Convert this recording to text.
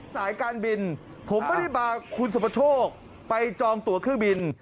สายการบินผมไม่ได้พาคุณสุประโชคไปจองตัวเครื่องบิน